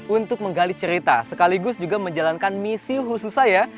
untuk menggali cerita sekaligus juga menjalankan misi khusus saya